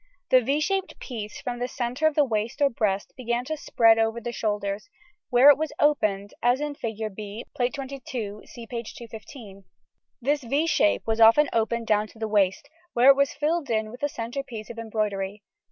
The =V= shaped piece from the centre of waist or breast began to spread over the shoulders, where it was opened, as in Fig. B, Plate XXII (see p. 215). This =V= shape was often open down to the waist, where it was filled in with a centre piece of embroidery.